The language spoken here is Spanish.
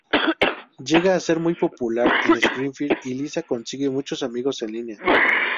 Llega a ser muy popular en Springfield y Lisa consigue muchos amigos en línea.